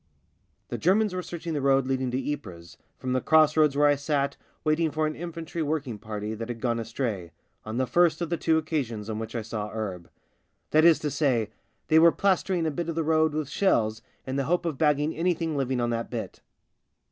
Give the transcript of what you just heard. ••••• The Germans were searching the road leading to Ypres from the cross roads where I sat waiting for an infantry working party that had gone astray, on the first of the two occasions on which I saw 'Erb : that is to say, they were plastering a bit of the road with shells in the hope of bagging anything living on that bit.